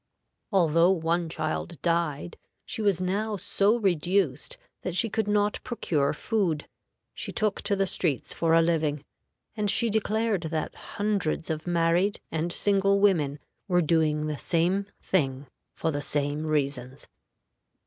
Although one child died, she was now so reduced that she could not procure food. She took to the streets for a living, and she declared that hundreds of married and single women were doing the same thing for the same reasons.